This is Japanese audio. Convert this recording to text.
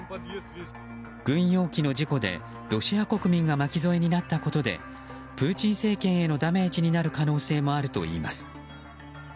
軍用機の事故で、ロシア国民が巻き添えになったことでプーチン政権へのダメージになる可能性もあるといいます。